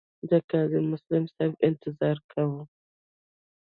د قاضي مسلم صاحب انتظار کاوه.